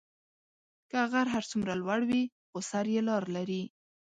که غر هر څومره لوړی وي، خو سر یې لار لري.